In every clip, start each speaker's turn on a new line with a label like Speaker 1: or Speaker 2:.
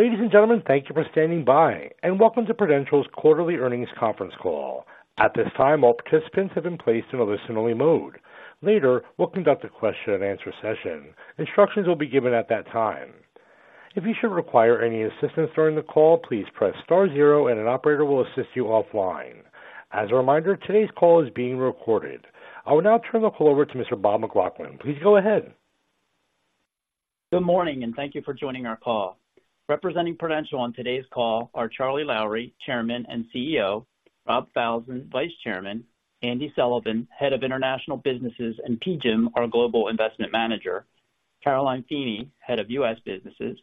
Speaker 1: Ladies and gentlemen, thank you for standing by, and welcome to Prudential's Quarterly Earnings Conference Call. At this time, all participants have been placed in a listen-only mode. Later, we'll conduct a question-and-answer session. Instructions will be given at that time. If you should require any assistance during the call, please press star zero and an operator will assist you offline. As a reminder, today's call is being recorded. I will now turn the call over to Mr. Bob McLaughlin. Please go ahead.
Speaker 2: Good morning, and thank you for joining our call. Representing Prudential on today's call are Charlie Lowrey, Chairman and CEO, Rob Falzon, Vice Chairman, Andy Sullivan, Head of International Businesses and PGIM, our Global Investment Manager, Caroline Feeney, Head of U.S. Businesses,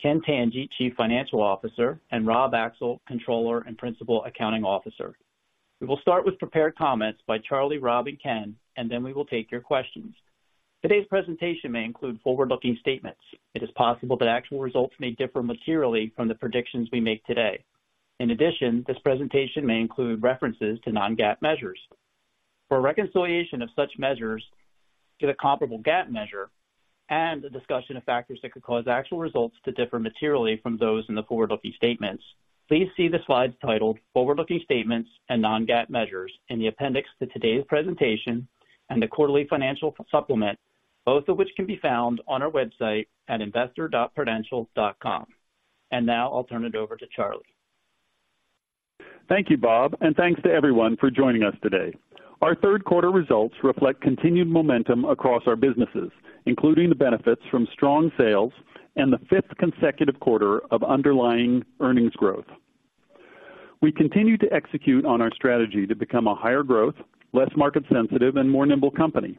Speaker 2: Ken Tanji, Chief Financial Officer, and Rob Axel, Controller and Principal Accounting Officer. We will start with prepared comments by Charlie, Rob, and Ken, and then we will take your questions. Today's presentation may include forward-looking statements. It is possible that actual results may differ materially from the predictions we make today. In addition, this presentation may include references to non-GAAP measures. For a reconciliation of such measures to the comparable GAAP measure and a discussion of factors that could cause actual results to differ materially from those in the forward-looking statements, please see the slides titled Forward-Looking Statements and Non-GAAP Measures in the appendix to today's presentation and the quarterly financial supplement, both of which can be found on our website at investor.prudential.com. Now I'll turn it over to Charlie.
Speaker 3: Thank you, Bob, and thanks to everyone for joining us today. Our third quarter results reflect continued momentum across our businesses, including the benefits from strong sales and the fifth consecutive quarter of underlying earnings growth. We continue to execute on our strategy to become a higher growth, less market sensitive, and more nimble company.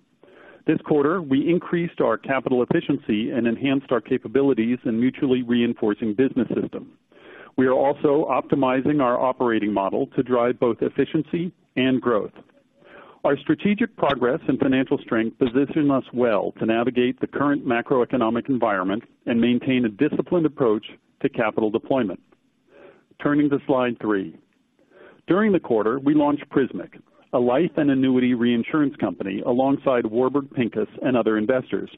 Speaker 3: This quarter, we increased our capital efficiency and enhanced our capabilities in mutually reinforcing business system. We are also optimizing our operating model to drive both efficiency and growth. Our strategic progress and financial strength position us well to navigate the current macroeconomic environment and maintain a disciplined approach to capital deployment. Turning to slide three. During the quarter, we launched Prismic, a life and annuity reinsurance company, alongside Warburg Pincus and other investors.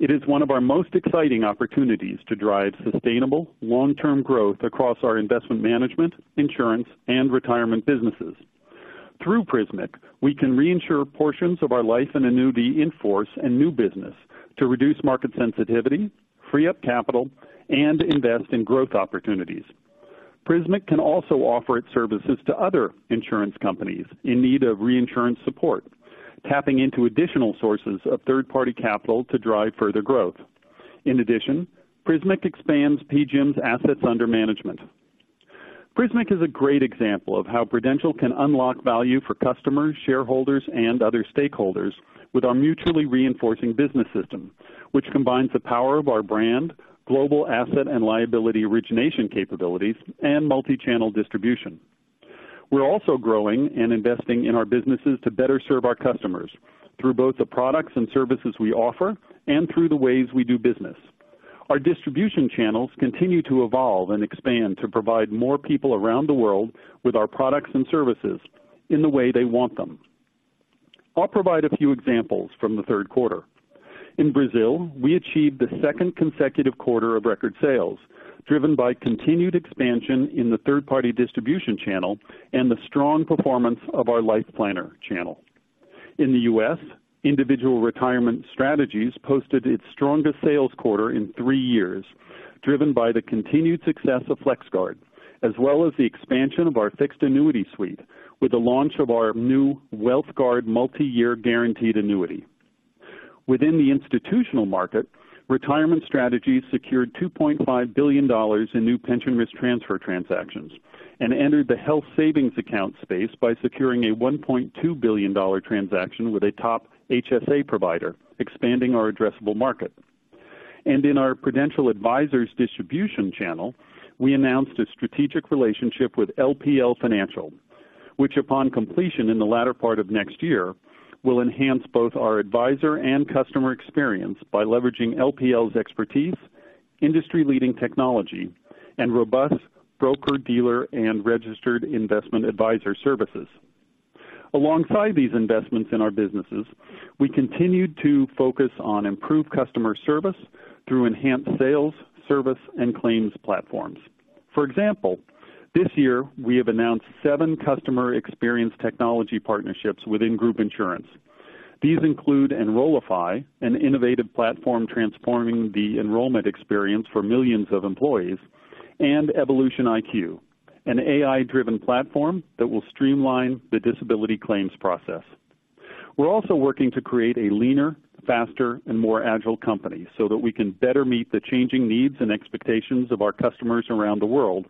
Speaker 3: It is one of our most exciting opportunities to drive sustainable, long-term growth across our investment management, insurance, and retirement businesses. Through Prismic, we can reinsure portions of our life and annuity in-force and new business to reduce market sensitivity, free up capital, and invest in growth opportunities. Prismic can also offer its services to other insurance companies in need of reinsurance support, tapping into additional sources of third-party capital to drive further growth. In addition, Prismic expands PGIM's assets under management. Prismic is a great example of how Prudential can unlock value for customers, shareholders, and other stakeholders with our mutually reinforcing business system, which combines the power of our brand, global asset and liability origination capabilities, and multi-channel distribution. We're also growing and investing in our businesses to better serve our customers through both the products and services we offer and through the ways we do business. Our distribution channels continue to evolve and expand to provide more people around the world with our products and services in the way they want them. I'll provide a few examples from the third quarter. In Brazil, we achieved the second consecutive quarter of record sales, driven by continued expansion in the third-party distribution channel and the strong performance of our Life Planner channel. In the U.S., Individual Retirement Strategies posted its strongest sales quarter in three years, driven by the continued success of FlexGuard, as well as the expansion of our fixed annuity suite with the launch of our new WealthGuard multi-year guaranteed annuity. Within the institutional market, retirement strategies secured $2.5 billion in new pension risk transfer transactions and entered the health savings account space by securing a $1.2 billion transaction with a top HSA provider, expanding our addressable market. In our Prudential Advisors distribution channel, we announced a strategic relationship with LPL Financial, which, upon completion in the latter part of next year, will enhance both our advisor and customer experience by leveraging LPL's expertise, industry-leading technology, and robust broker-dealer and registered investment advisor services. Alongside these investments in our businesses, we continued to focus on improved customer service through enhanced sales, service, and claims platforms. For example, this year, we have announced seven customer experience technology partnerships within group insurance. These include Enrollify, an innovative platform transforming the enrollment experience for millions of employees, and EvolutionIQ, an AI-driven platform that will streamline the disability claims process. We're also working to create a leaner, faster, and more agile company so that we can better meet the changing needs and expectations of our customers around the world,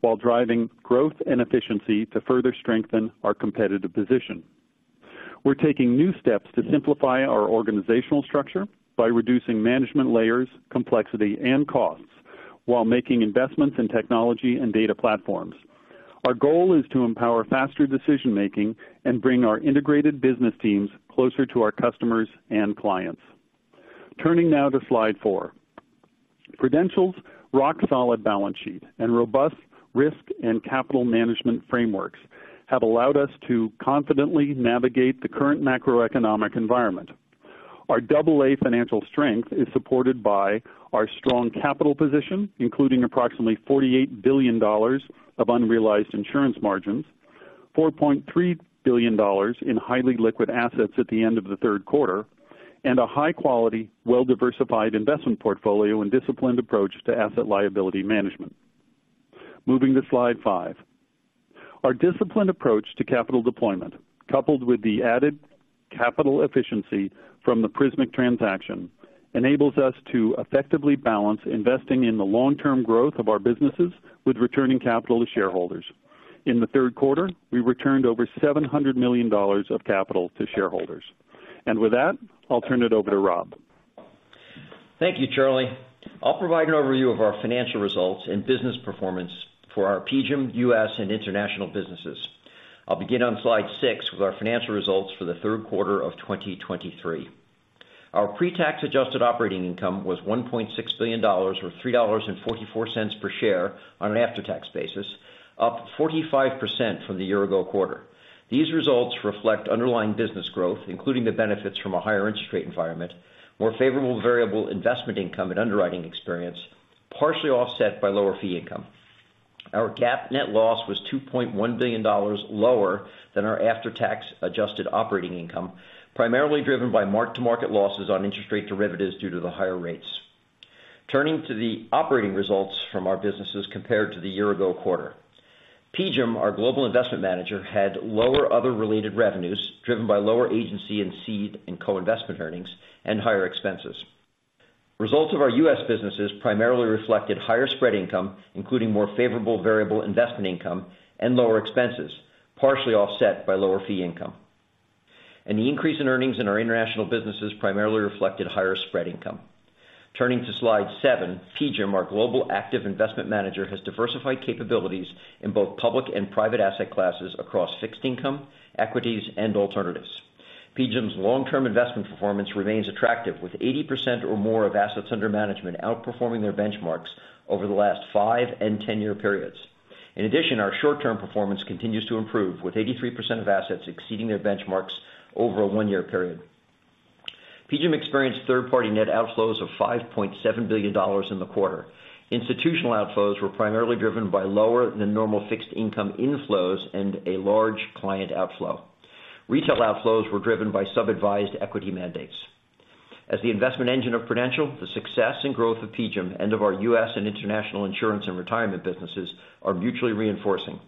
Speaker 3: while driving growth and efficiency to further strengthen our competitive position. We're taking new steps to simplify our organizational structure by reducing management layers, complexity, and costs while making investments in technology and data platforms. Our goal is to empower faster decision-making and bring our integrated business teams closer to our customers and clients. Turning now to slide four. Prudential's rock-solid balance sheet and robust risk and capital management frameworks have allowed us to confidently navigate the current macroeconomic environment. Our double-A financial strength is supported by our strong capital position, including approximately $48 billion of unrealized insurance margins, $4.3 billion in highly liquid assets at the end of the third quarter, and a high quality, well-diversified investment portfolio and disciplined approach to asset liability management. Moving to slide five. Our disciplined approach to capital deployment, coupled with the added capital efficiency from the Prismic transaction, enables us to effectively balance investing in the long-term growth of our businesses with returning capital to shareholders. In the third quarter, we returned over $700 million of capital to shareholders. With that, I'll turn it over to Rob.
Speaker 4: Thank you, Charlie. I'll provide an overview of our financial results and business performance for our PGIM, U.S., and international businesses. I'll begin on slide six with our financial results for the third quarter of 2023. Our pre-tax adjusted operating income was $1.6 billion, or $3.44 per share on an after-tax basis, up 45% from the year-ago quarter. These results reflect underlying business growth, including the benefits from a higher interest rate environment, more favorable variable investment income and underwriting experience, partially offset by lower fee income. Our GAAP net loss was $2.1 billion lower than our after-tax adjusted operating income, primarily driven by mark-to-market losses on interest rate derivatives due to the higher rates. Turning to the operating results from our businesses compared to the year-ago quarter. PGIM, our global investment manager, had lower other related revenues, driven by lower agency and seed and co-investment earnings and higher expenses. Results of our U.S. businesses primarily reflected higher spread income, including more favorable variable investment income and lower expenses, partially offset by lower fee income. The increase in earnings in our international businesses primarily reflected higher spread income. Turning to slide seven, PGIM, our global active investment manager, has diversified capabilities in both public and private asset classes across fixed income, equities, and alternatives. PGIM's long-term investment performance remains attractive, with 80% or more of assets under management outperforming their benchmarks over the last 5- and 10-year periods. In addition, our short-term performance continues to improve, with 83% of assets exceeding their benchmarks over a 1-year period. PGIM experienced third-party net outflows of $5.7 billion in the quarter. Institutional outflows were primarily driven by lower than normal fixed income inflows and a large client outflow. Retail outflows were driven by sub-advised equity mandates. As the investment engine of Prudential, the success and growth of PGIM and of our U.S. and international insurance and retirement businesses are mutually reinforcing.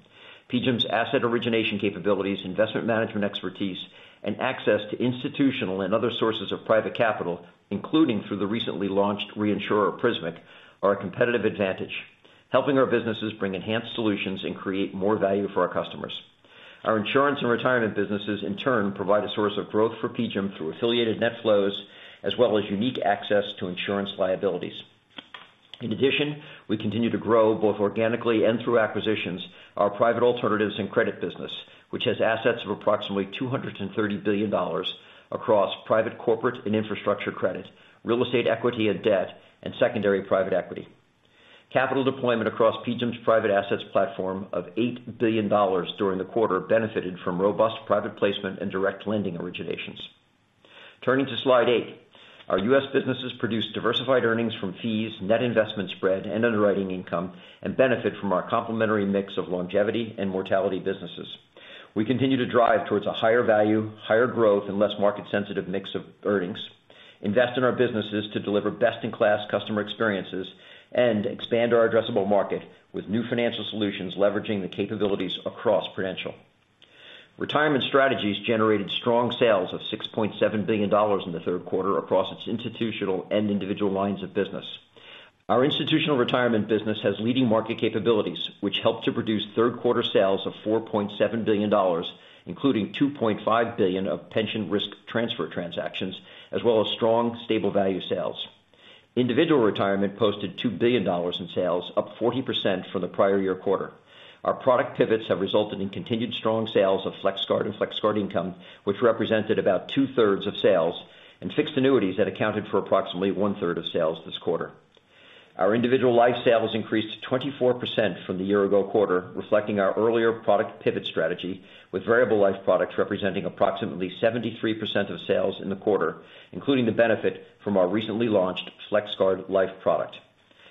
Speaker 4: PGIM's asset origination capabilities, investment management expertise, and access to institutional and other sources of private capital, including through the recently launched reinsurer, Prismic, are a competitive advantage, helping our businesses bring enhanced solutions and create more value for our customers. Our insurance and retirement businesses, in turn, provide a source of growth for PGIM through affiliated net flows, as well as unique access to insurance liabilities. In addition, we continue to grow, both organically and through acquisitions, our private alternatives and credit business, which has assets of approximately $230 billion across private, corporate, and infrastructure credit, real estate equity and debt, and secondary private equity. Capital deployment across PGIM's private assets platform of $8 billion during the quarter benefited from robust private placement and direct lending originations. Turning to slide eight. Our U.S. businesses produced diversified earnings from fees, net investment spread, and underwriting income, and benefit from our complementary mix of longevity and mortality businesses. We continue to drive towards a higher value, higher growth and less market-sensitive mix of earnings, invest in our businesses to deliver best-in-class customer experiences, and expand our addressable market with new financial solutions, leveraging the capabilities across Prudential. Retirement Strategies generated strong sales of $6.7 billion in the third quarter across its institutional and individual lines of business. Our institutional retirement business has leading market capabilities, which helped to produce third quarter sales of $4.7 billion, including $2.5 billion of pension risk transfer transactions, as well as strong, stable value sales. Individual retirement posted $2 billion in sales, up 40% from the prior year quarter. Our product pivots have resulted in continued strong sales of FlexGuard and FlexGuard Income, which represented about two-thirds of sales, and fixed annuities that accounted for approximately 1/3 of sales this quarter. Our individual life sales increased 24% from the year ago quarter, reflecting our earlier product pivot strategy, with variable life products representing approximately 73% of sales in the quarter, including the benefit from our recently launched FlexGuard Life product.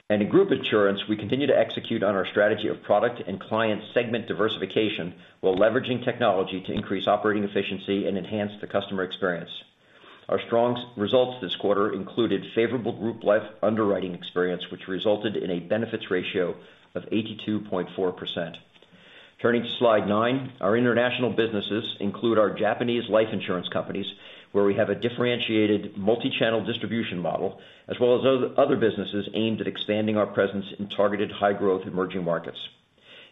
Speaker 4: In group insurance, we continue to execute on our strategy of product and client segment diversification, while leveraging technology to increase operating efficiency and enhance the customer experience. Our strong results this quarter included favorable group life underwriting experience, which resulted in a benefits ratio of 82.4%. Turning to slide nine. Our international businesses include our Japanese life insurance companies, where we have a differentiated multi-channel distribution model, as well as other businesses aimed at expanding our presence in targeted high-growth emerging markets.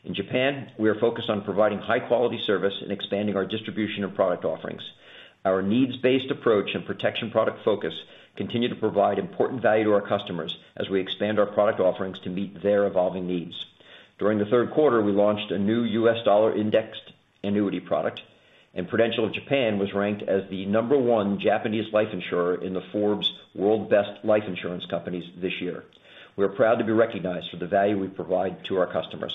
Speaker 4: In Japan, we are focused on providing high-quality service and expanding our distribution of product offerings. Our needs-based approach and protection product focus continue to provide important value to our customers as we expand our product offerings to meet their evolving needs. During the third quarter, we launched a new U.S. dollar indexed annuity product, and Prudential of Japan was ranked as the No. 1 Japanese life insurer in the Forbes World Best Life Insurance Companies this year. We are proud to be recognized for the value we provide to our customers.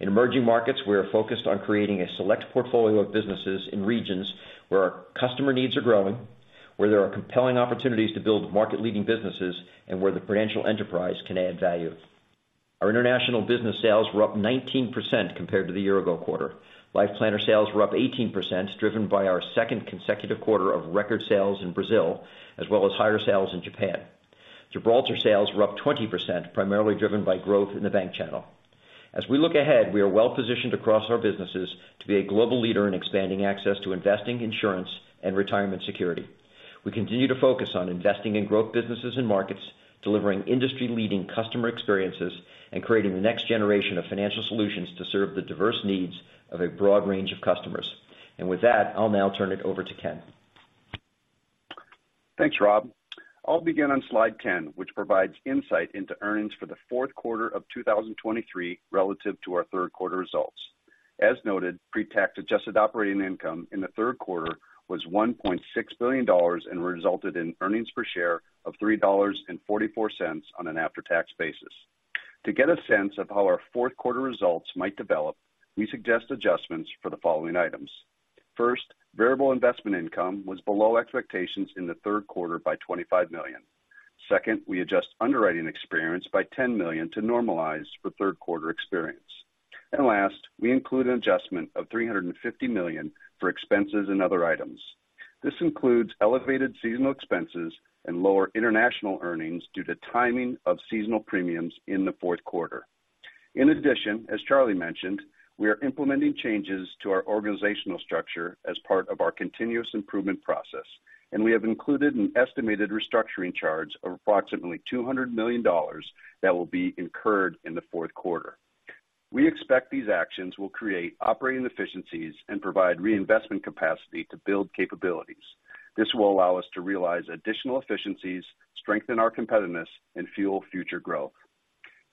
Speaker 4: In emerging markets, we are focused on creating a select portfolio of businesses in regions where our customer needs are growing, where there are compelling opportunities to build market-leading businesses, and where the Prudential enterprise can add value. Our international business sales were up 19% compared to the year ago quarter. Life planner sales were up 18%, driven by our second consecutive quarter of record sales in Brazil, as well as higher sales in Japan. Gibraltar sales were up 20%, primarily driven by growth in the bank channel. As we look ahead, we are well-positioned across our businesses to be a global leader in expanding access to investing, insurance, and retirement security. We continue to focus on investing in growth businesses and markets, delivering industry-leading customer experiences, and creating the next generation of financial solutions to serve the diverse needs of a broad range of customers. And with that, I'll now turn it over to Ken.
Speaker 5: Thanks, Rob. I'll begin on slide 10, which provides insight into earnings for the fourth quarter of 2023 relative to our third quarter results. As noted, pre-tax adjusted operating income in the third quarter was $1.6 billion and resulted in earnings per share of $3.44 on an after-tax basis. To get a sense of how our fourth quarter results might develop, we suggest adjustments for the following items: First, variable investment income was below expectations in the third quarter by $25 million. Second, we adjust underwriting experience by $10 million to normalize for third quarter experience. And last, we include an adjustment of $350 million for expenses and other items. This includes elevated seasonal expenses and lower international earnings due to timing of seasonal premiums in the fourth quarter. In addition, as Charlie mentioned, we are implementing changes to our organizational structure as part of our continuous improvement process, and we have included an estimated restructuring charge of approximately $200 million that will be incurred in the fourth quarter. We expect these actions will create operating efficiencies and provide reinvestment capacity to build capabilities. This will allow us to realize additional efficiencies, strengthen our competitiveness, and fuel future growth.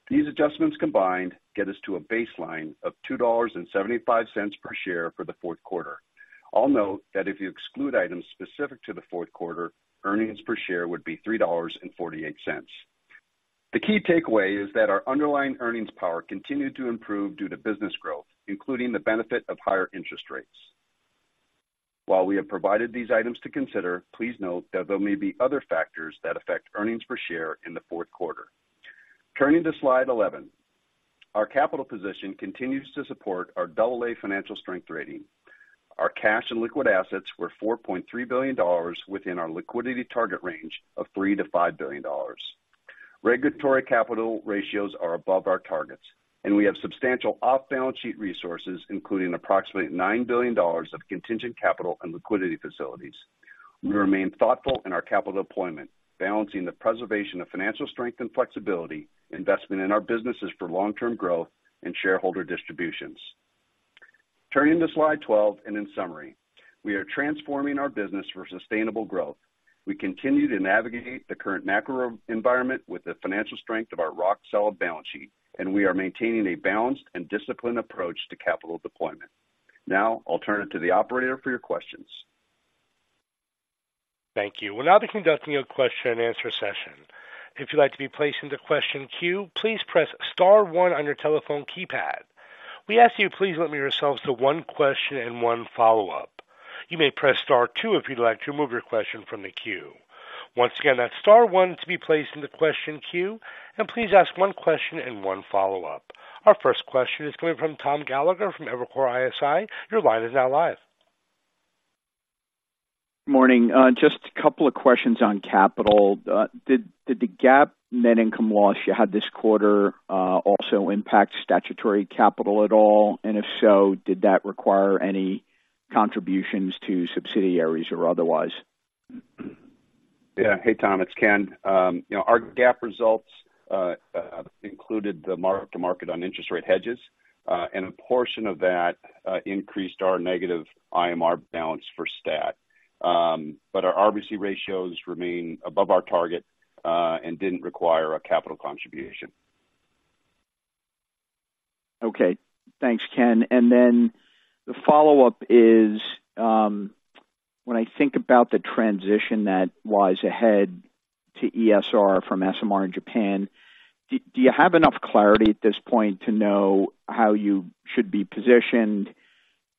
Speaker 5: These adjustments combined get us to a baseline of $2.75 per share for the fourth quarter. I'll note that if you exclude items specific to the fourth quarter, earnings per share would be $3.48. The key takeaway is that our underlying earnings power continued to improve due to business growth, including the benefit of higher interest rates. While we have provided these items to consider, please note that there may be other factors that affect earnings per share in the fourth quarter. Turning to slide 11. Our capital position continues to support our double-A financial strength rating. Our cash and liquid assets were $4.3 billion within our liquidity target range of $3 billion-$5 billion. Regulatory capital ratios are above our targets, and we have substantial off-balance sheet resources, including approximately $9 billion of contingent capital and liquidity facilities. We remain thoughtful in our capital deployment, balancing the preservation of financial strength and flexibility, investment in our businesses for long-term growth and shareholder distributions. Turning to slide 12, and in summary, we are transforming our business for sustainable growth. We continue to navigate the current macro environment with the financial strength of our rock-solid balance sheet, and we are maintaining a balanced and disciplined approach to capital deployment. Now, I'll turn it to the operator for your questions.
Speaker 1: Thank you. We'll now be conducting a question-and-answer session. If you'd like to be placed into question queue, please press star one on your telephone keypad. We ask you to please limit yourselves to one question and one follow-up. You may press star two if you'd like to remove your question from the queue. Once again, that's star one to be placed in the question queue, and please ask one question and one follow-up. Our first question is coming from Tom Gallagher from Evercore ISI. Your line is now live.
Speaker 6: Morning. Just a couple of questions on capital. Did the GAAP net income loss you had this quarter also impact statutory capital at all? And if so, did that require any contributions to subsidiaries or otherwise?
Speaker 5: Yeah. Hey, Tom, it's Ken. You know, our GAAP results included the mark-to-market on interest rate hedges, and a portion of that increased our negative IMR balance for stat. But our RBC ratios remain above our target, and didn't require a capital contribution.
Speaker 6: Okay. Thanks, Ken. And then the follow-up is, when I think about the transition that lies ahead to ESR from SMR in Japan, do you have enough clarity at this point to know how you should be positioned?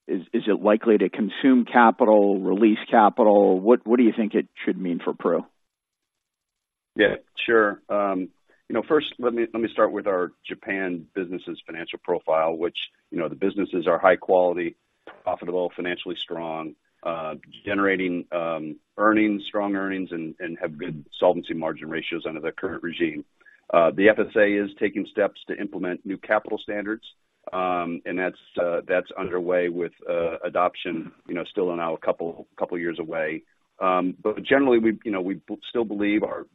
Speaker 6: Is it likely to consume capital, release capital? What do you think it should mean for Pru?
Speaker 5: Yeah, sure. You know, first, let me start with our Japan business' financial profile, which, you know, the businesses are high quality, profitable, financially strong, generating earnings, strong earnings, and have good solvency margin ratios under the current regime. The FSA is taking steps to implement new capital standards, and that's underway with adoption, you know, still a couple years away. But generally, we, you know, we still believe our,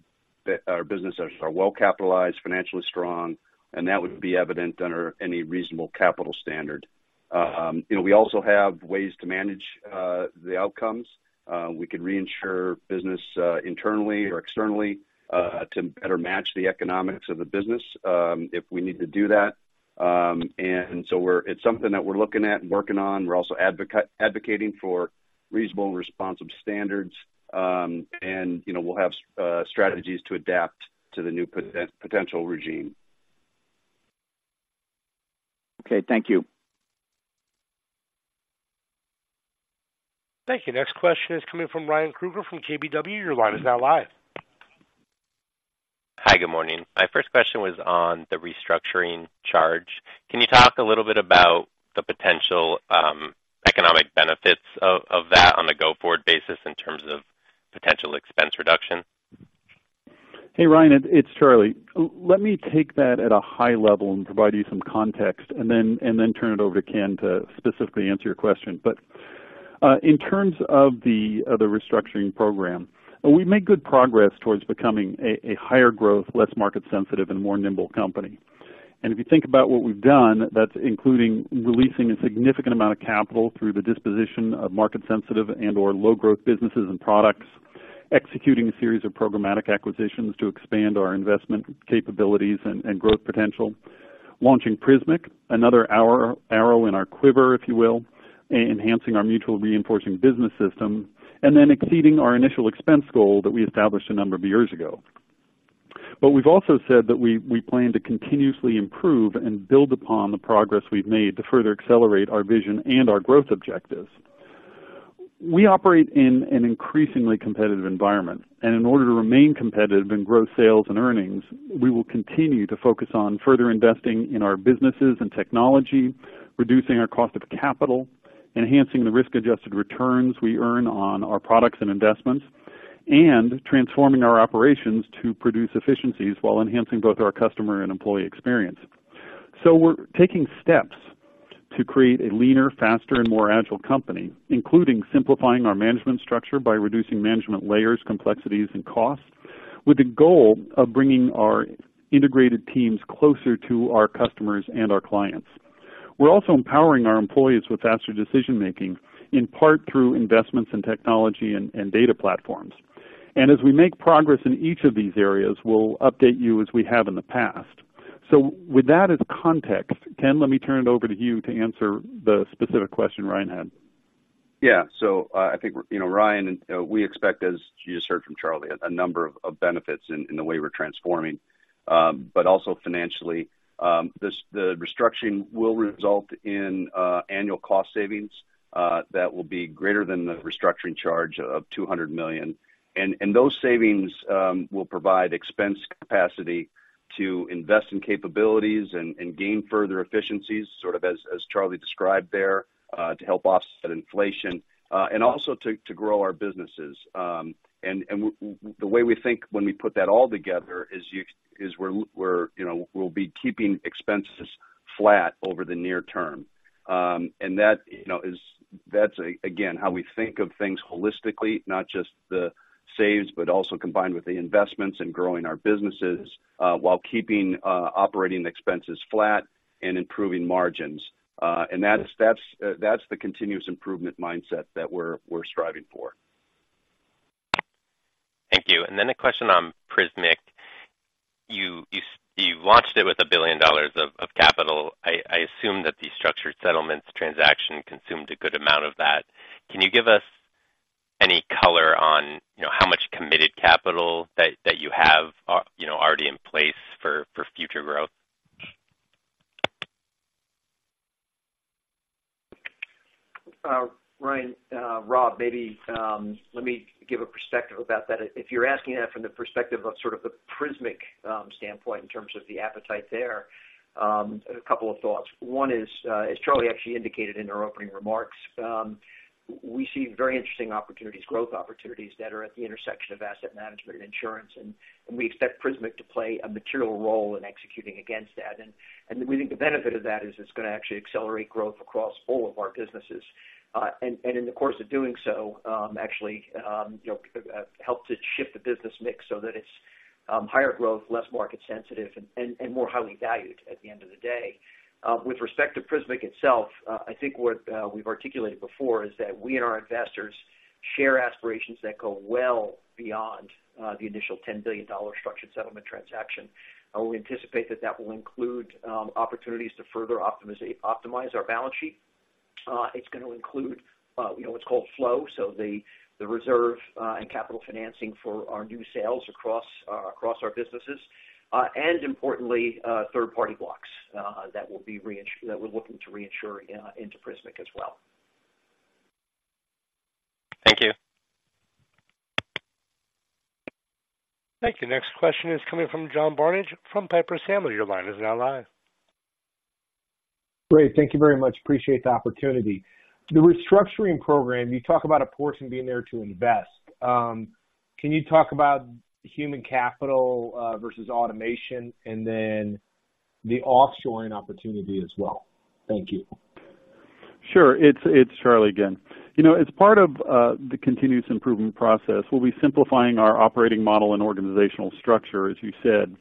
Speaker 5: that our businesses are well capitalized, financially strong, and that would be evident under any reasonable capital standard. You know, we also have ways to manage the outcomes. We can reinsure business internally or externally to better match the economics of the business, if we need to do that. It's something that we're looking at and working on. We're also advocating for reasonable and responsive standards, and, you know, we'll have strategies to adapt to the new potential regime.
Speaker 6: Okay. Thank you.
Speaker 1: Thank you. Next question is coming from Ryan Krueger from KBW. Your line is now live.
Speaker 7: Hi, good morning. My first question was on the restructuring charge. Can you talk a little bit about the potential economic benefits of that on a go-forward basis in terms of potential expense reduction?
Speaker 3: Hey, Ryan, it's Charlie. Let me take that at a high level and provide you some context, and then turn it over to Ken to specifically answer your question. But, in terms of the restructuring program, we've made good progress towards becoming a higher growth, less market sensitive, and more nimble company. And if you think about what we've done, that's including releasing a significant amount of capital through the disposition of market sensitive and/or low growth businesses and products, executing a series of programmatic acquisitions to expand our investment capabilities and growth potential. Launching Prismic, another arrow in our quiver, if you will, enhancing our mutual reinforcing business system, and then exceeding our initial expense goal that we established a number of years ago. But we've also said that we plan to continuously improve and build upon the progress we've made to further accelerate our vision and our growth objectives. We operate in an increasingly competitive environment, and in order to remain competitive and grow sales and earnings, we will continue to focus on further investing in our businesses and technology, reducing our cost of capital, enhancing the risk-adjusted returns we earn on our products and investments, and transforming our operations to produce efficiencies while enhancing both our customer and employee experience. So we're taking steps to create a leaner, faster, and more agile company, including simplifying our management structure by reducing management layers, complexities, and costs, with the goal of bringing our integrated teams closer to our customers and our clients. We're also empowering our employees with faster decision-making, in part through investments in technology and data platforms. As we make progress in each of these areas, we'll update you as we have in the past. With that as context, Ken, let me turn it over to you to answer the specific question Ryan had.
Speaker 5: Yeah. So, I think, you know, Ryan, and we expect, as you just heard from Charlie, a number of benefits in the way we're transforming. But also financially, the restructuring will result in annual cost savings that will be greater than the restructuring charge of $200 million. And those savings will provide expense capacity to invest in capabilities and gain further efficiencies, sort of as Charlie described there, to help offset inflation, and also to grow our businesses. And the way we think when we put that all together is we're, you know, we'll be keeping expenses flat over the near term. And that, you know, is... That's, again, how we think of things holistically, not just the saves, but also combined with the investments and growing our businesses, while keeping operating expenses flat and improving margins. And that's the continuous improvement mindset that we're striving for.
Speaker 7: Thank you. And then a question on Prismic. You launched it with $1 billion of capital. I assume that the structured settlements transaction consumed a good amount of that. Can you give us any color on, you know, how much committed capital that you have, you know, already in place for future growth?
Speaker 4: Ryan, Rob, maybe let me give a perspective about that. If you're asking that from the perspective of sort of the Prismic standpoint in terms of the appetite there, a couple of thoughts. One is, as Charlie actually indicated in our opening remarks, we see very interesting opportunities, growth opportunities that are at the intersection of asset management and insurance, and we expect Prismic to play a material role in executing against that. And we think the benefit of that is it's going to actually accelerate growth across all of our businesses. And in the course of doing so, actually, you know, help to shift the business mix so that it's higher growth, less market sensitive and more highly valued at the end of the day. With respect to Prismic itself, I think what we've articulated before is that we and our investors share aspirations that go well beyond the initial $10 billion structured settlement transaction. We anticipate that that will include opportunities to further optimize our balance sheet. It's going to include, you know, what's called flow, so the reserve and capital financing for our new sales across our businesses and importantly, third-party blocks that we're looking to reinsure into Prismic as well.
Speaker 7: Thank you.
Speaker 1: Thank you. Next question is coming from John Barnidge from Piper Sandler. Your line is now live.
Speaker 8: Great. Thank you very much. Appreciate the opportunity. The restructuring program, you talk about a portion being there to invest. Can you talk about human capital, versus automation and then the offshoring opportunity as well? Thank you.
Speaker 3: Sure. It's Charlie again. You know, as part of the continuous improvement process, we'll be simplifying our operating model and organizational structure, as you said,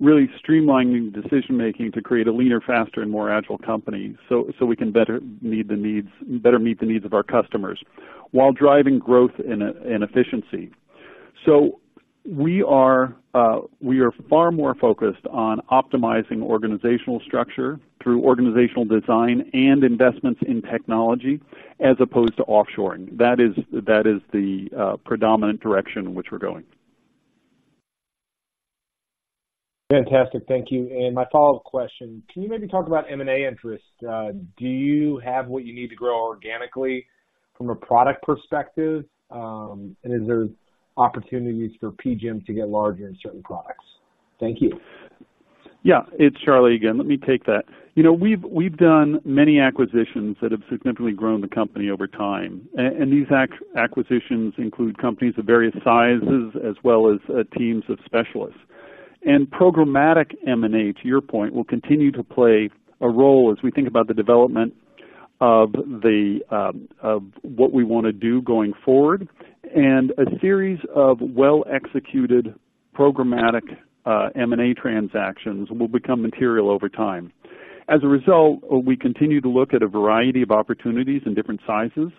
Speaker 3: really streamlining decision-making to create a leaner, faster, and more agile company, so we can better meet the needs of our customers while driving growth and efficiency. So we are far more focused on optimizing organizational structure through organizational design and investments in technology as opposed to offshoring. That is the predominant direction in which we're going.
Speaker 8: Fantastic. Thank you. And my follow-up question, can you maybe talk about M&A interest? Do you have what you need to grow organically from a product perspective? And is there opportunities for PGIM to get larger in certain products? Thank you.
Speaker 3: Yeah, it's Charlie again. Let me take that. You know, we've done many acquisitions that have significantly grown the company over time. And these acquisitions include companies of various sizes as well as teams of specialists. And programmatic M&A, to your point, will continue to play a role as we think about the development of what we want to do going forward. And a series of well-executed programmatic M&A transactions will become material over time. As a result, we continue to look at a variety of opportunities in different sizes,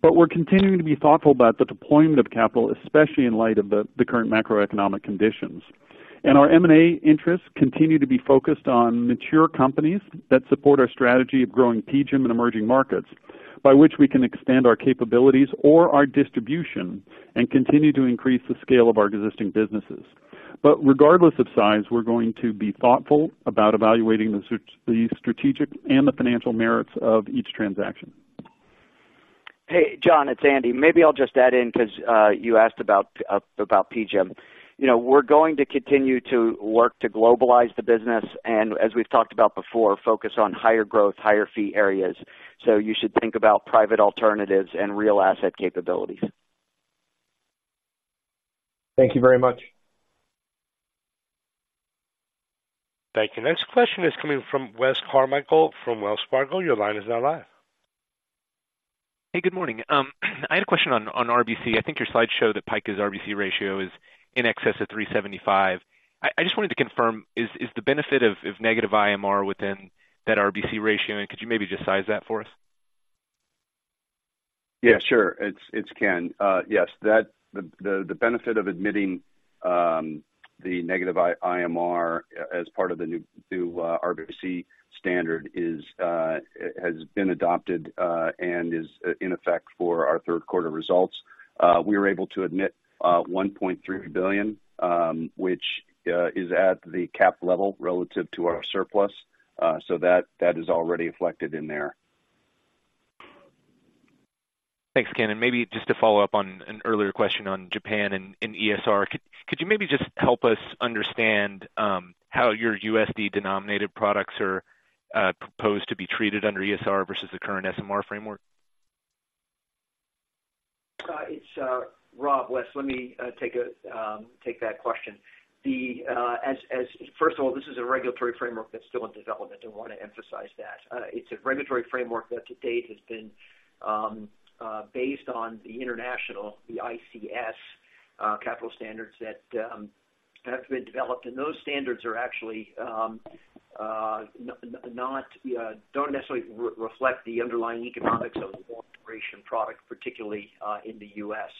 Speaker 3: but we're continuing to be thoughtful about the deployment of capital, especially in light of the current macroeconomic conditions. Our M&A interests continue to be focused on mature companies that support our strategy of growing PGIM in emerging markets, by which we can expand our capabilities or our distribution and continue to increase the scale of our existing businesses. Regardless of size, we're going to be thoughtful about evaluating the strategic and the financial merits of each transaction.
Speaker 9: Hey, John, it's Andy. Maybe I'll just add in, because you asked about PGIM. You know, we're going to continue to work to globalize the business, and as we've talked about before, focus on higher growth, higher fee areas. So you should think about private alternatives and real asset capabilities.
Speaker 8: Thank you very much.
Speaker 1: Thank you. Next question is coming from Wes Carmichael from Wells Fargo. Your line is now live.
Speaker 10: Hey, good morning. I had a question on RBC. I think your slide show that PICA's RBC ratio is in excess of 375. I just wanted to confirm, is the benefit of negative IMR within that RBC ratio? And could you maybe just size that for us?
Speaker 5: Yeah, sure. It's Ken. Yes, the benefit of admitting the negative IMR as part of the new RBC standard has been adopted and is in effect for our third quarter results. We were able to admit $1.3 billion, which is at the cap level relative to our surplus. So that is already reflected in there.
Speaker 10: Thanks, Ken. And maybe just to follow up on an earlier question on Japan and ESR, could you maybe just help us understand how your USD-denominated products are proposed to be treated under ESR versus the current SMR framework?
Speaker 4: It's Rob, Wes. Let me take that question. First of all, this is a regulatory framework that's still in development, I want to emphasize that. It's a regulatory framework that to date has been based on the international ICS capital standards that have been developed. And those standards are actually not don't necessarily reflect the underlying economics of the long-duration product, particularly in the U.S.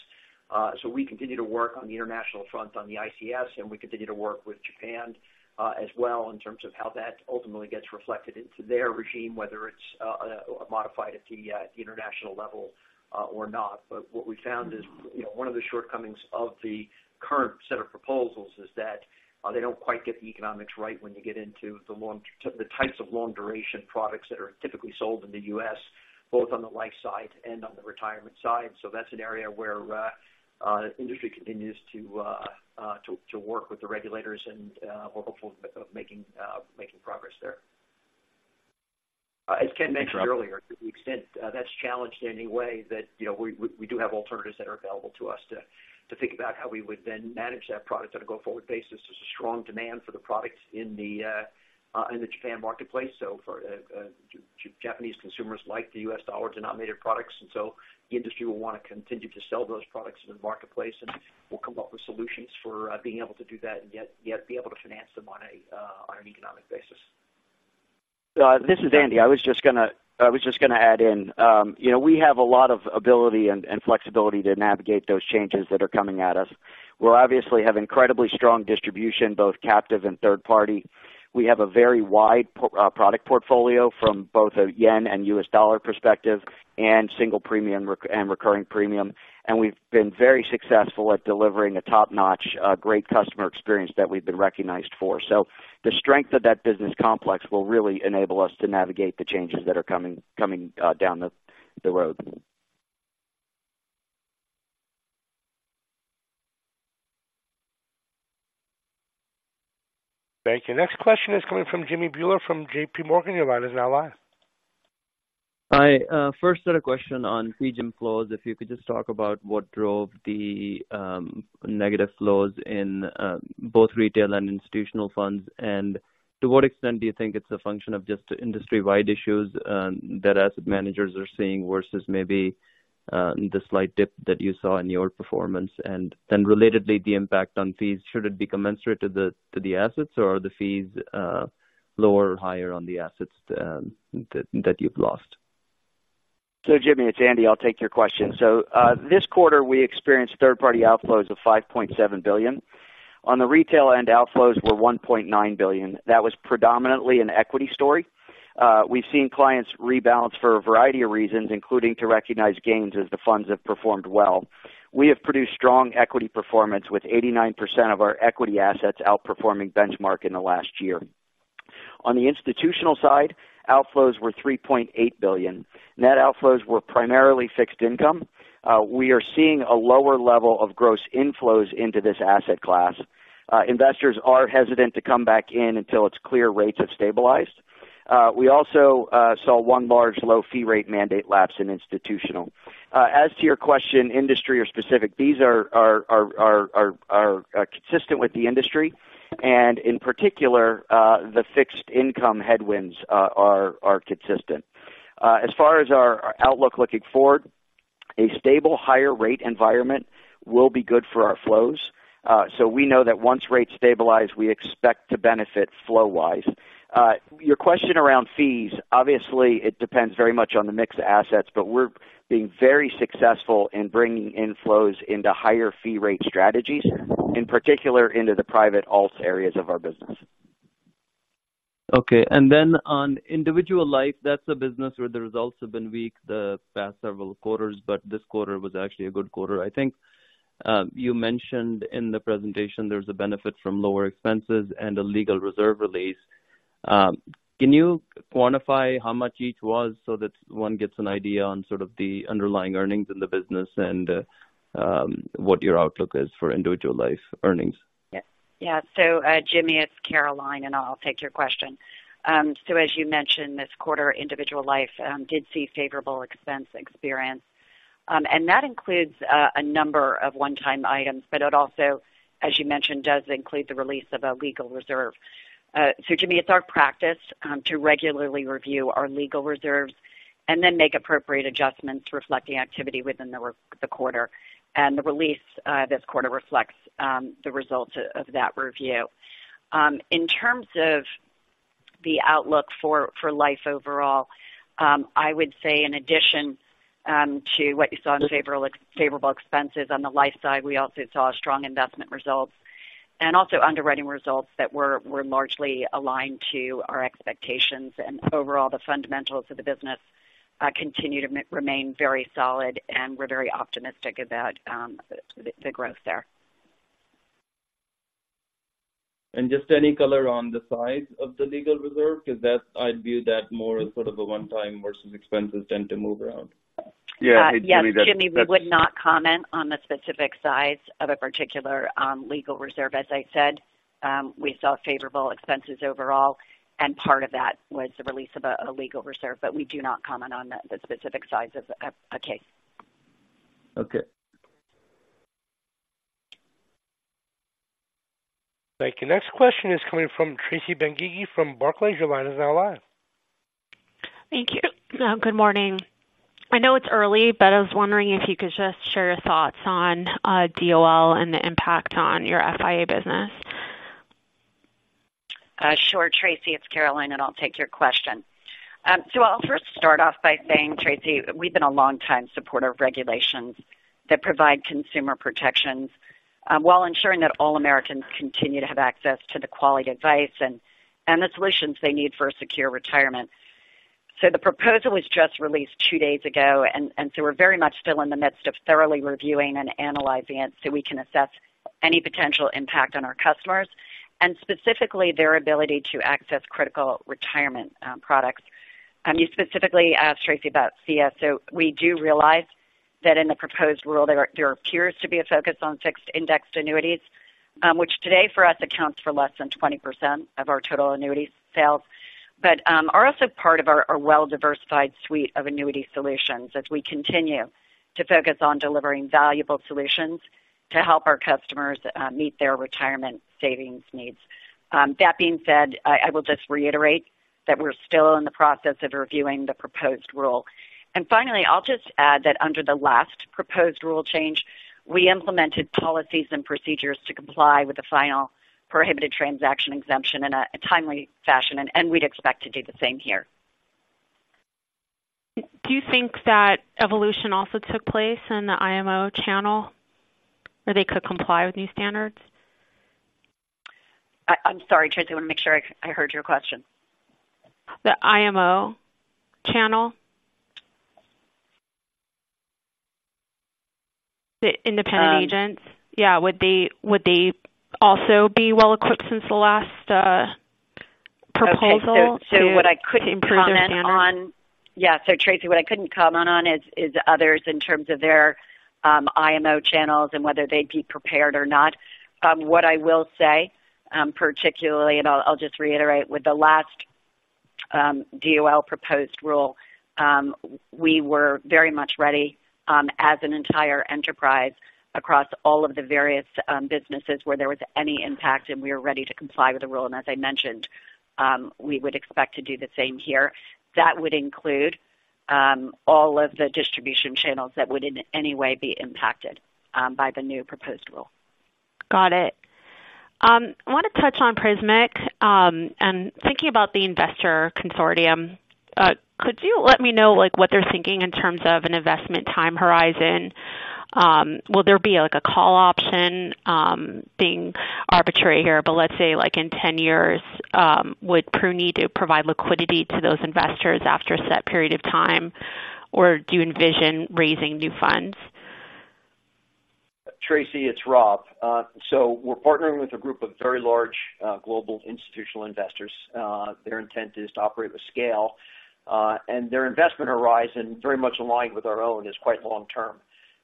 Speaker 4: So we continue to work on the international front, on the ICS, and we continue to work with Japan as well, in terms of how that ultimately gets reflected into their regime, whether it's modified at the international level or not. But what we found is, you know, one of the shortcomings of the current set of proposals is that they don't quite get the economics right when you get into the long- the types of long duration products that are typically sold in the U.S., both on the life side and on the retirement side. So that's an area where industry continues to work with the regulators and we're hopeful of making progress there. As Ken mentioned earlier, to the extent that's challenged in any way, that, you know, we do have alternatives that are available to us to think about how we would then manage that product on a go-forward basis. There's a strong demand for the product in the Japan marketplace. So for Japanese consumers like the US dollar-denominated products, and so the industry will want to continue to sell those products in the marketplace, and we'll come up with solutions for being able to do that and yet be able to finance them on an economic basis.
Speaker 9: This is Andy. I was just gonna, I was just gonna add in, you know, we have a lot of ability and, and flexibility to navigate those changes that are coming at us. We obviously have incredibly strong distribution, both captive and third party. We have a very wide product portfolio from both a yen and U.S. dollar perspective and single premium and recurring premium. And we've been very successful at delivering a top-notch, great customer experience that we've been recognized for. So the strength of that business complex will really enable us to navigate the changes that are coming down the road.
Speaker 1: Thank you. Next question is coming from Jimmy Bhullar from JP Morgan. Your line is now live.
Speaker 11: I first had a question on PGIM flows. If you could just talk about what drove the negative flows in both retail and institutional funds. To what extent do you think it's a function of just the industry-wide issues that asset managers are seeing versus maybe the slight dip that you saw in your performance? Then relatedly, the impact on fees, should it be commensurate to the assets, or are the fees lower or higher on the assets that you've lost?
Speaker 9: So, Jimmy, it's Andy. I'll take your question. So, this quarter, we experienced third-party outflows of $5.7 billion. On the retail end, outflows were $1.9 billion. That was predominantly an equity story. We've seen clients rebalance for a variety of reasons, including to recognize gains as the funds have performed well. We have produced strong equity performance, with 89% of our equity assets outperforming benchmark in the last year. On the institutional side, outflows were $3.8 billion. Net outflows were primarily fixed income. We are seeing a lower level of gross inflows into this asset class. Investors are hesitant to come back in until it's clear rates have stabilized. We also saw one large low fee rate mandate lapse in institutional. As to your question, industry or specific, these are consistent with the industry, and in particular, the fixed income headwinds are consistent. As far as our outlook looking forward, a stable higher rate environment will be good for our flows. So we know that once rates stabilize, we expect to benefit flow-wise. Your question around fees, obviously, it depends very much on the mix of assets, but we're being very successful in bringing inflows into higher fee rate strategies, in particular into the private ALTS areas of our business.
Speaker 11: Okay. And then on individual life, that's a business where the results have been weak the past several quarters, but this quarter was actually a good quarter. I think, you mentioned in the presentation there's a benefit from lower expenses and a legal reserve release. Can you quantify how much each was so that one gets an idea on sort of the underlying earnings in the business and, what your outlook is for individual life earnings?
Speaker 12: Yeah. So, Jimmy, it's Caroline, and I'll take your question. So as you mentioned, this quarter, individual life did see favorable expense experience, and that includes a number of one-time items, but it also, as you mentioned, does include the release of a legal reserve. So Jimmy, it's our practice to regularly review our legal reserves and then make appropriate adjustments reflecting activity within the quarter, and the release this quarter reflects the results of that review. In terms of the outlook for life overall, I would say in addition to what you saw in favorable expenses on the life side, we also saw strong investment results and also underwriting results that were largely aligned to our expectations. Overall, the fundamentals of the business continue to remain very solid, and we're very optimistic about the growth there.
Speaker 11: Just any color on the size of the legal reserve, because that's. I'd view that more as sort of a one-time versus expenses tend to move around.
Speaker 9: Yeah, I agree with that.
Speaker 12: Yes, Jimmy, we would not comment on the specific size of a particular legal reserve. As I said, we saw favorable expenses overall, and part of that was the release of a legal reserve, but we do not comment on the specific size of a case.
Speaker 11: Okay.
Speaker 1: Thank you. Next question is coming from Tracy Benguigui from Barclays. Your line is now live.
Speaker 13: Thank you. Good morning. I know it's early, but I was wondering if you could just share your thoughts on DOL and the impact on your FIA business?
Speaker 12: Sure, Tracy, it's Caroline, and I'll take your question. So I'll first start off by saying, Tracy, we've been a long-time supporter of regulations that provide consumer protections, while ensuring that all Americans continue to have access to the quality advice and, and the solutions they need for a secure retirement. So the proposal was just released two days ago, and, and so we're very much still in the midst of thoroughly reviewing and analyzing it, so we can assess any potential impact on our customers and specifically their ability to access critical retirement, products. You specifically asked, Tracy, about FIA, so we do realize that in the proposed rule, there appears to be a focus on fixed indexed annuities, which today for us accounts for less than 20% of our total annuity sales, but are also part of our well-diversified suite of annuity solutions as we continue to focus on delivering valuable solutions to help our customers meet their retirement savings needs. That being said, I will just reiterate that we're still in the process of reviewing the proposed rule. And finally, I'll just add that under the last proposed rule change, we implemented policies and procedures to comply with the final prohibited transaction exemption in a timely fashion, and we'd expect to do the same here.
Speaker 13: Do you think that evolution also took place in the IMO channel, where they could comply with new standards?
Speaker 12: I'm sorry, Tracy. I want to make sure I heard your question.
Speaker 13: The IMO channel. The independent agents.
Speaker 12: Um-
Speaker 13: Yeah. Would they also be well equipped since the last proposal to-
Speaker 12: Okay. So what I couldn't comment on-
Speaker 13: Improve their standards?
Speaker 12: Yeah. So, Tracy, what I couldn't comment on is others in terms of their IMO channels and whether they'd be prepared or not. What I will say, particularly, and I'll just reiterate, with the last DOL proposed rule, we were very much ready, as an entire enterprise across all of the various businesses where there was any impact, and we were ready to comply with the rule. And as I mentioned, we would expect to do the same here. That would include all of the distribution channels that would in any way be impacted by the new proposed rule.
Speaker 13: Got it. I want to touch on Prismic, and thinking about the investor consortium, could you let me know, like, what they're thinking in terms of an investment time horizon? Will there be like a call option, being arbitrary here, but let's say, like, in 10 years, would Pru need to provide liquidity to those investors after a set period of time? Or do you envision raising new funds?
Speaker 4: Tracy, it's Rob. So we're partnering with a group of very large global institutional investors. Their intent is to operate with scale, and their investment horizon, very much in line with our own, is quite long term.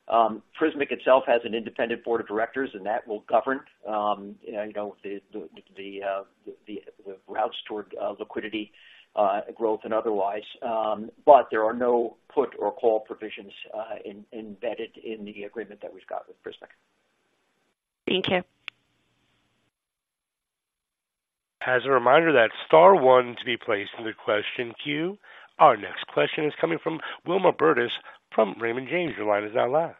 Speaker 4: Prismic itself has an independent board of directors, and that will govern, you know, the routes toward liquidity, growth and otherwise. But there are no put or call provisions, embedded in the agreement that we've got with Prismic.
Speaker 13: Thank you.
Speaker 1: As a reminder, that's star one to be placed in the question queue. Our next question is coming from Wilma Burdis from Raymond James. Your line is now live.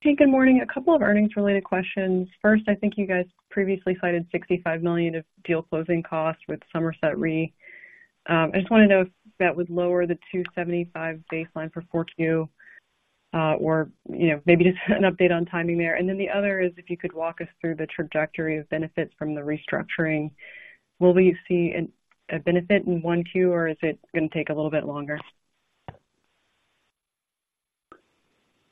Speaker 14: Hey, good morning. A couple of earnings-related questions. First, I think you guys previously cited $65 million of deal closing costs with Somerset Re. I just want to know if that would lower the $275 million baseline for 4Q, or, you know, maybe just an update on timing there. And then the other is, if you could walk us through the trajectory of benefits from the restructuring. Will we see a benefit in 1Q, or is it going to take a little bit longer?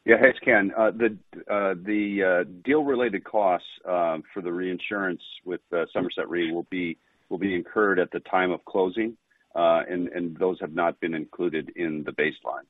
Speaker 5: Yeah, hey, it's Ken. The deal-related costs for the reinsurance with Somerset Re will be incurred at the time of closing, and those have not been included in the baseline.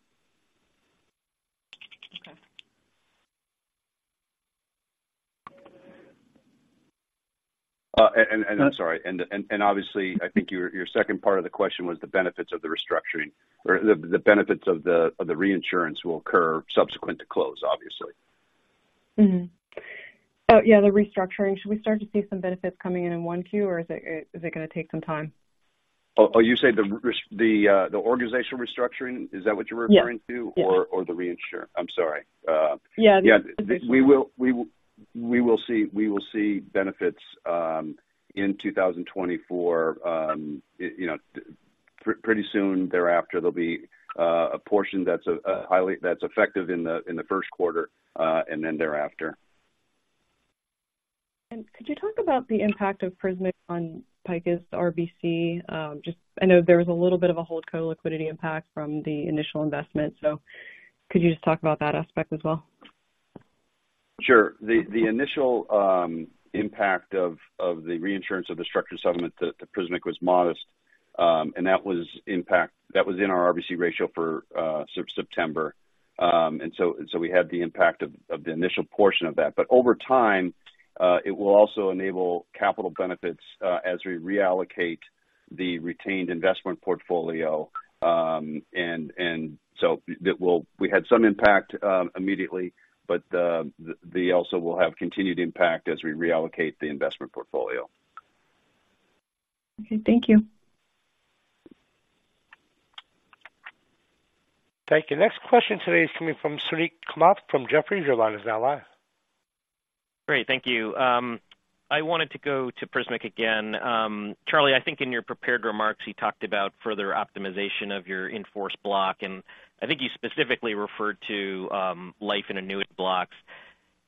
Speaker 14: Okay.
Speaker 5: I'm sorry, and obviously, I think your second part of the question was the benefits of the restructuring or the benefits of the reinsurance will occur subsequent to close, obviously.
Speaker 14: Mm-hmm. Yeah, the restructuring, should we start to see some benefits coming in in 1Q, or is it, is it going to take some time?
Speaker 5: Oh, oh, you say the organizational restructuring, is that what you're referring to?
Speaker 14: Yes.
Speaker 5: Or, the reinsurer? I'm sorry.
Speaker 14: Yeah.
Speaker 5: Yeah, we will see benefits in 2024. You know, pretty soon thereafter, there'll be a portion that's effective in the first quarter, and then thereafter.
Speaker 14: Could you talk about the impact of Prismic on PICA's RBC? Just, I know there was a little bit of a hold co-liquidity impact from the initial investment, so could you just talk about that aspect as well?
Speaker 5: Sure. The initial impact of the reinsurance of the structured settlement to Prismic was modest, and that was in our RBC ratio for September. And so we had the impact of the initial portion of that. But over time, it will also enable capital benefits as we reallocate the retained investment portfolio. And so it will - we had some impact immediately, but they also will have continued impact as we reallocate the investment portfolio.
Speaker 14: Okay. Thank you.
Speaker 1: Thank you. Next question today is coming from Suneet Kamath, from Jefferies. Your line is now live.
Speaker 15: Great. Thank you. I wanted to go to Prismic again. Charlie, I think in your prepared remarks, you talked about further optimization of your in-force block, and I think you specifically referred to, life in annuity blocks.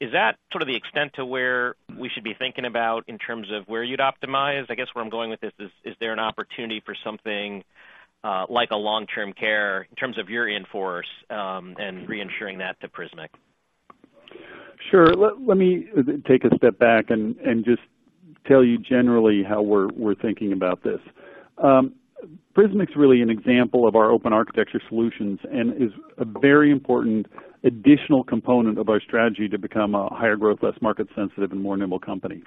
Speaker 15: Is that sort of the extent to where we should be thinking about in terms of where you'd optimize? I guess where I'm going with this is, is there an opportunity for something, like a long-term care in terms of your in-force, and reinsuring that to Prismic?
Speaker 3: Sure. Let me take a step back and just tell you generally how we're thinking about this. Prismic's really an example of our open architecture solutions and is a very important additional component of our strategy to become a higher growth, less market sensitive and more nimble company.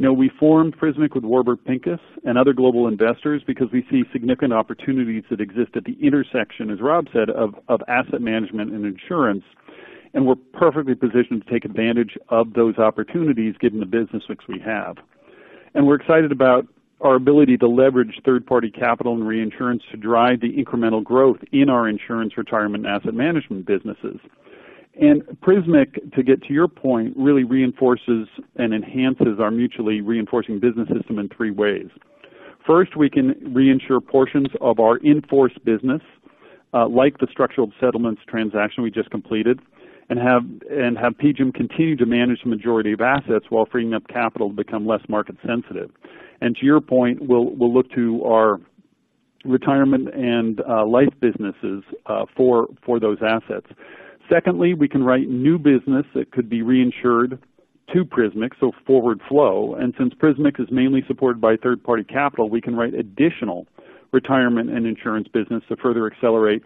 Speaker 3: Now, we formed Prismic with Warburg Pincus and other global investors because we see significant opportunities that exist at the intersection, as Rob said, of asset management and insurance. And we're perfectly positioned to take advantage of those opportunities given the business mix we have. And we're excited about our ability to leverage third-party capital and reinsurance to drive the incremental growth in our insurance, retirement, and asset management businesses. And Prismic, to get to your point, really reinforces and enhances our mutually reinforcing business system in three ways. First, we can reinsure portions of our in-force business, like the structured settlements transaction we just completed, and have PGIM continue to manage the majority of assets while freeing up capital to become less market sensitive. To your point, we'll look to our retirement and life businesses for those assets. Secondly, we can write new business that could be reinsured to Prismic, so forward flow. And since Prismic is mainly supported by third-party capital, we can write additional retirement and insurance business to further accelerate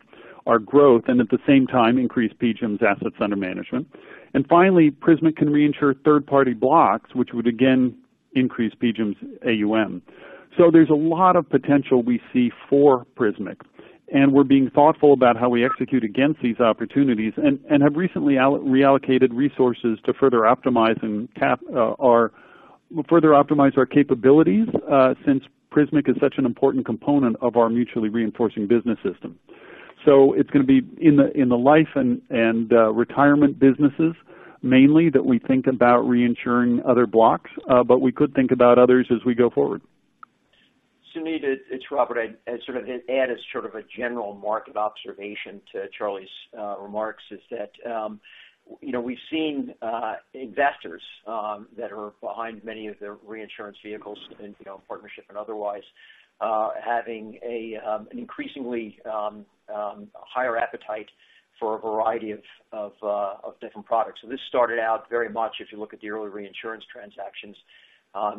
Speaker 3: our growth and at the same time increase PGIM's assets under management. And finally, Prismic can reinsure third-party blocks, which would again increase PGIM's AUM. So there's a lot of potential we see for Prismic, and we're being thoughtful about how we execute against these opportunities and have recently reallocated resources to further optimize and capitalize our capabilities, since Prismic is such an important component of our mutually reinforcing business system. So it's going to be in the life and retirement businesses, mainly, that we think about reinsuring other blocks, but we could think about others as we go forward.
Speaker 4: Suneet, it's Robert. I'd sort of add as sort of a general market observation to Charlie's remarks is that, you know, we've seen investors that are behind many of the reinsurance vehicles and, you know, partnership and otherwise, having an increasingly higher appetite for a variety of different products. So this started out very much if you look at the early reinsurance transactions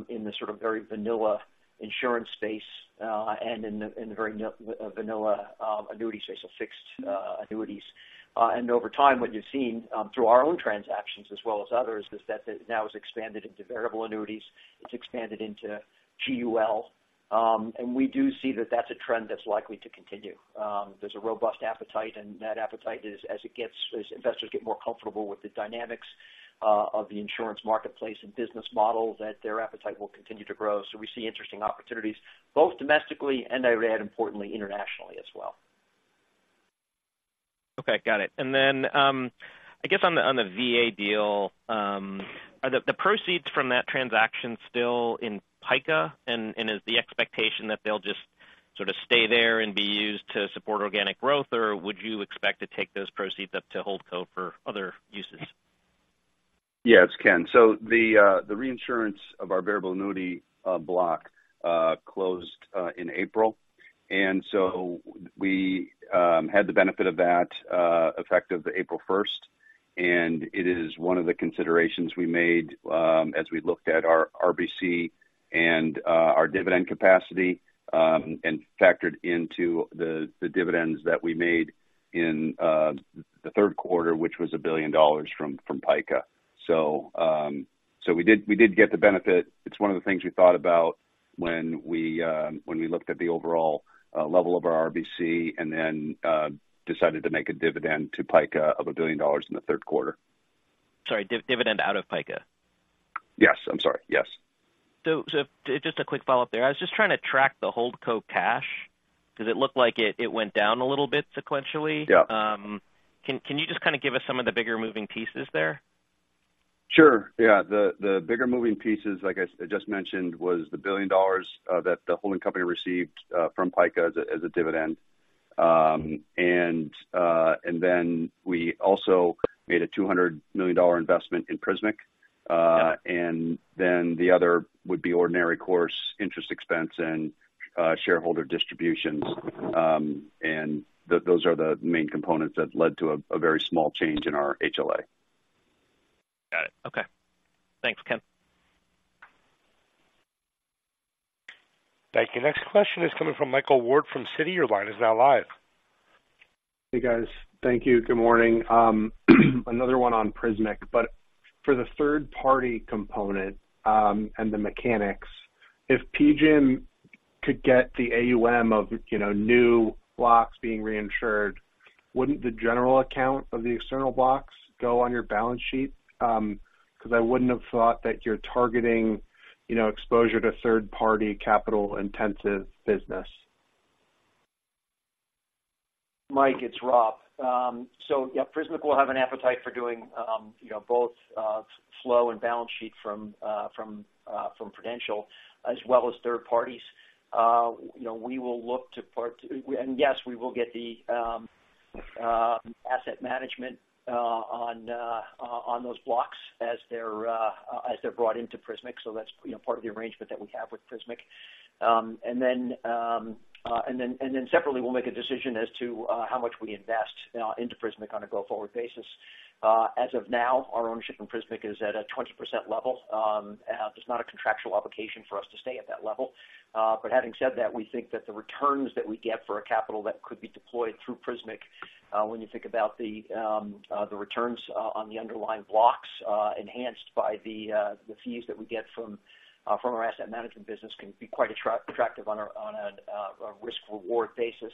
Speaker 4: in the sort of very vanilla insurance space and in the very vanilla annuity space, so fixed annuities. And over time, what you've seen through our own transactions as well as others, is that that now has expanded into variable annuities, it's expanded into GUL. And we do see that that's a trend that's likely to continue. There's a robust appetite, and that appetite is as investors get more comfortable with the dynamics of the insurance marketplace and business model, that their appetite will continue to grow. So we see interesting opportunities, both domestically and indeed importantly, internationally as well.
Speaker 15: Okay, got it. And then, I guess on the VA deal, are the proceeds from that transaction still in PICA? And is the expectation that they'll just sort of stay there and be used to support organic growth, or would you expect to take those proceeds up to Holdco for other uses?
Speaker 5: Yeah, it's Ken. So the reinsurance of our variable annuity block closed in April. And so we had the benefit of that effective April first, and it is one of the considerations we made as we looked at our RBC and our dividend capacity and factored into the dividends that we made in the third quarter, which was $1 billion from PICA. So we did get the benefit. It's one of the things we thought about when we looked at the overall level of our RBC and then decided to make a dividend to PICA of $1 billion in the third quarter.
Speaker 15: Sorry, dividend out of PICA.
Speaker 5: Yes. I'm sorry. Yes.
Speaker 15: So, just a quick follow-up there. I was just trying to track the Holdco cash because it looked like it went down a little bit sequentially.
Speaker 5: Yeah.
Speaker 15: Can you just kind of give us some of the bigger moving pieces there?
Speaker 5: Sure. Yeah. The bigger moving pieces, like I just mentioned, was the $1 billion that the holding company received from PICA as a dividend. And then we also made a $200 million investment in Prismic.
Speaker 15: Yeah.
Speaker 5: And then the other would be ordinary course interest expense and shareholder distributions. And those are the main components that led to a very small change in our HLA.
Speaker 15: Got it. Okay. Thanks, Ken.
Speaker 1: Thank you. Next question is coming from Michael Ward from Citi. Your line is now live.
Speaker 16: Hey, guys. Thank you. Good morning. Another one on Prismic, but for the third-party component, and the mechanics, if PGIM could get the AUM of, you know, new blocks being reinsured, wouldn't the general account of the external blocks go on your balance sheet? Because I wouldn't have thought that you're targeting, you know, exposure to third-party capital-intensive business.
Speaker 4: Mike, it's Rob. So yeah, Prismic will have an appetite for doing, you know, both, flow and balance sheet from Prudential as well as third parties. You know, we will look to part- And yes, we will get the asset management on those blocks as they're brought into Prismic. So that's, you know, part of the arrangement that we have with Prismic. And then separately, we'll make a decision as to how much we invest into Prismic on a go-forward basis. As of now, our ownership in Prismic is at a 20% level. There's not a contractual obligation for us to stay at that level. But having said that, we think that the returns that we get for a capital that could be deployed through Prismic, when you think about the, the returns, on the underlying blocks, enhanced by the, the fees that we get from, from our asset management business, can be quite attractive on a, on a, a risk-reward basis.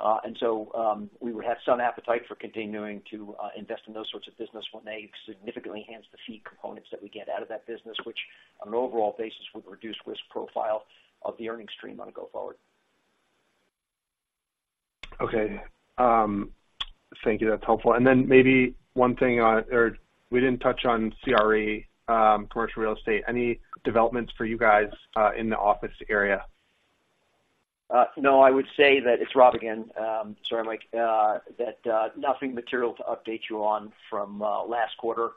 Speaker 4: And so, we would have some appetite for continuing to, invest in those sorts of business when they significantly enhance the fee components that we get out of that business, which on an overall basis, would reduce risk profile of the earnings stream on a go forward.
Speaker 16: Okay. Thank you. That's helpful. And then maybe one thing, or we didn't touch on CRE, commercial real estate. Any developments for you guys, in the office area?
Speaker 4: No, I would say that... It's Rob again. Sorry, Mike. That, nothing material to update you on from last quarter.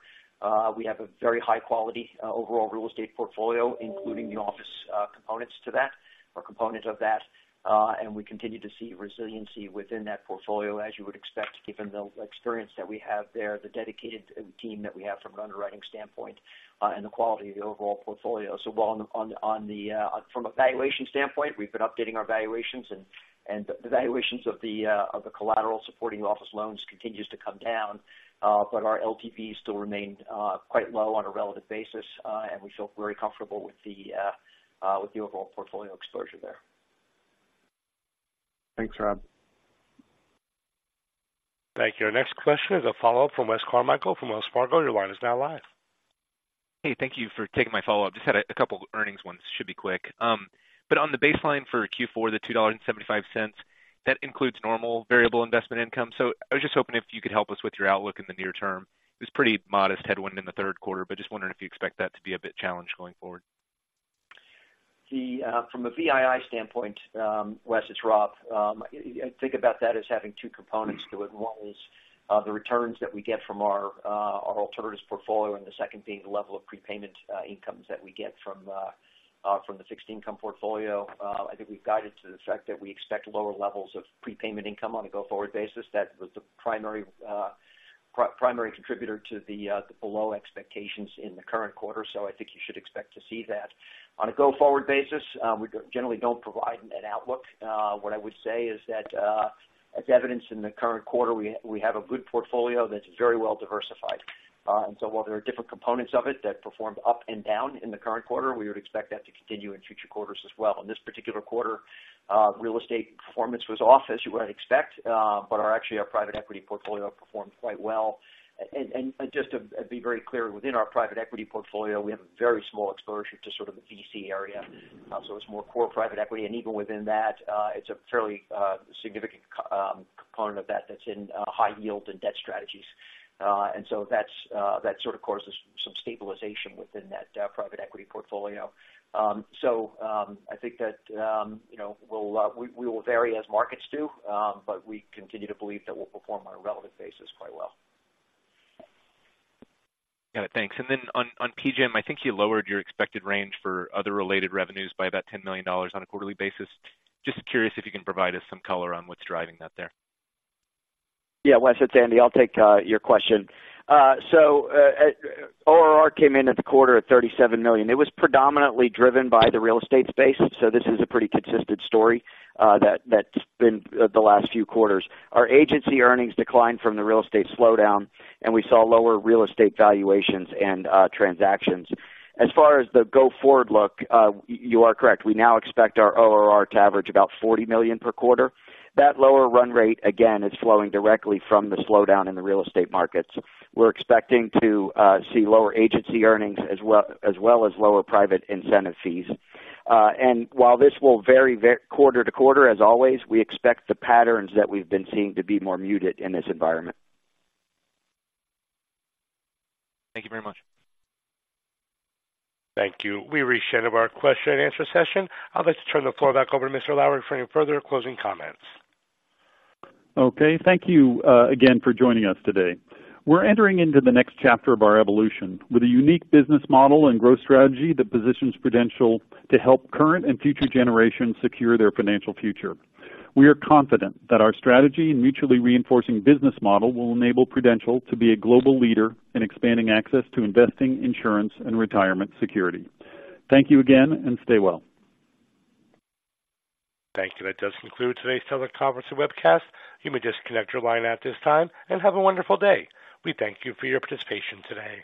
Speaker 4: We have a very high quality overall real estate portfolio, including the office components to that or component of that. And we continue to see resiliency within that portfolio, as you would expect, given the experience that we have there, the dedicated team that we have from an underwriting standpoint, and the quality of the overall portfolio. So while on the, on the, from a valuation standpoint, we've been updating our valuations, and, and the valuations of the, of the collateral supporting office loans continues to come down, but our LTV still remained quite low on a relative basis, and we feel very comfortable with the, with the overall portfolio exposure there.
Speaker 16: Thanks, Rob.
Speaker 1: Thank you. Our next question is a follow-up from Wes Carmichael from Wells Fargo. Your line is now live.
Speaker 10: Hey, thank you for taking my follow-up. Just had a couple of earnings ones. Should be quick. But on the baseline for Q4, the $2.75, that includes normal variable investment income. So I was just hoping if you could help us with your outlook in the near term. It was pretty modest headwind in the third quarter, but just wondering if you expect that to be a bit challenged going forward?
Speaker 4: ...The, from a VII standpoint, Wes, it's Rob. I think about that as having two components to it. One is, the returns that we get from our, our alternatives portfolio, and the second being the level of prepayment incomes that we get from, from the fixed income portfolio. I think we've guided to the fact that we expect lower levels of prepayment income on a go-forward basis. That was the primary contributor to the, the below expectations in the current quarter. So I think you should expect to see that. On a go-forward basis, we generally don't provide an outlook. What I would say is that, as evidenced in the current quarter, we, we have a good portfolio that's very well diversified. And so while there are different components of it that performed up and down in the current quarter, we would expect that to continue in future quarters as well. In this particular quarter, real estate performance was off, as you would expect, but our actually our private equity portfolio performed quite well. And just to be very clear, within our private equity portfolio, we have a very small exposure to sort of the VC area. So it's more core private equity, and even within that, it's a fairly significant component of that that's in high yield and debt strategies. And so that's that sort of causes some stabilization within that private equity portfolio. So, I think that, you know, we will vary as markets do, but we continue to believe that we'll perform on a relative basis quite well.
Speaker 10: Got it. Thanks. And then on PGIM, I think you lowered your expected range for other related revenues by about $10 million on a quarterly basis. Just curious if you can provide us some color on what's driving that there.
Speaker 9: Yeah, Wes, it's Andy. I'll take your question. So, ORR came in at the quarter at $37 million. It was predominantly driven by the real estate space, so this is a pretty consistent story that that's been the last few quarters. Our agency earnings declined from the real estate slowdown, and we saw lower real estate valuations and transactions. As far as the go-forward look, you are correct. We now expect our ORR to average about $40 million per quarter. That lower run rate, again, is flowing directly from the slowdown in the real estate markets. We're expecting to see lower agency earnings as well, as well as lower private incentive fees. And while this will vary, vary quarter to quarter, as always, we expect the patterns that we've been seeing to be more muted in this environment.
Speaker 10: Thank you very much.
Speaker 1: Thank you. We've reached the end of our question-and-answer session. I'd like to turn the floor back over to Mr. Lowrey for any further closing comments.
Speaker 3: Okay. Thank you, again for joining us today. We're entering into the next chapter of our evolution with a unique business model and growth strategy that positions Prudential to help current and future generations secure their financial future. We are confident that our strategy and mutually reinforcing business model will enable Prudential to be a global leader in expanding access to investing, insurance, and retirement security. Thank you again, and stay well.
Speaker 1: Thank you. That does conclude today's teleconference and webcast. You may disconnect your line at this time, and have a wonderful day. We thank you for your participation today.